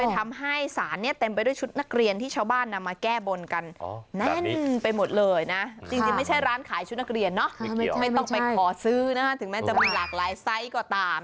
ถึงแม้จะมีหลากหลายไซส์ก็ตาม